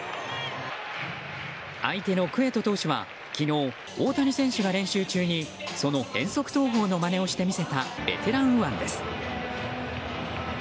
相手のクエト投手は昨日、大谷選手が練習中にその変則投法のまねをして見せたベテラン右腕です。